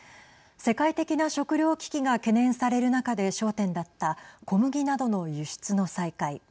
世界的な食料危機が懸念される中で焦点だった小麦などの輸出の再開。